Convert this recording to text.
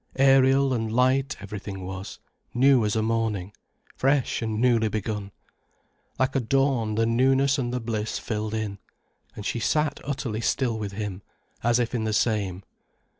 Aerial and light everything was, new as a morning, fresh and newly begun. Like a dawn the newness and the bliss filled in. And she sat utterly still with him, as if in the same.